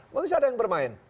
masih ada yang bermain